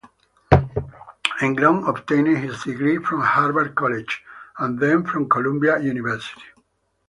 Englund obtained his degree from Harvard College and then from Columbia University.